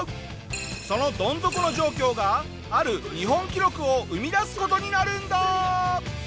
そのどん底の状況がある日本記録を生み出す事になるんだ！